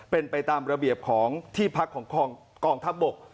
เป็นไปตามระเบียบของที่พักของกองทัพบก